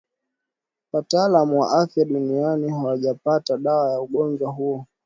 wataalamu wa afya duniani hawajapata dawa ya ugonjwa huo